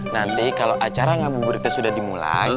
nanti kalau acara ngamu burikta sudah dimulai